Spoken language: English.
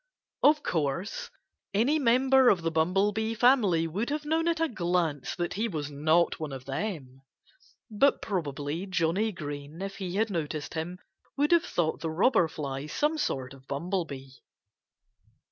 Of course, any member of the Bumblebee family would have known at a glance that he was not one of them. But probably Johnnie Green if he had noticed him would have thought the Robber Fly some sort of bumblebee.